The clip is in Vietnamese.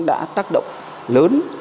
đã tác động lớn